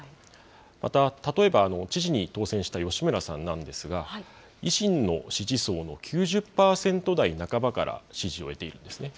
また、例えば知事に当選した吉村さんなんですが、維新の支持層の９０％台半ばから支持を得ているんですね。